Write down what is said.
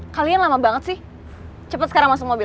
kalian lama banget sih cepet sekarang masuk mobil